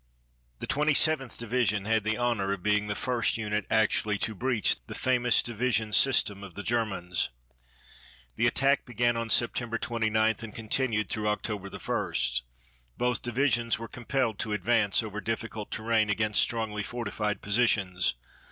The Twenty seventh Division had the honor of being the first unit actually to breach the famous defensive system of the Germans. The attack began on September 29 and continued through October 1. Both divisions were compelled to advance over difficult terrain against strongly fortified positions.